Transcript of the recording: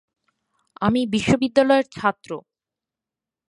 আমি বিশ্ববিদ্যালয়ের ছাত্র।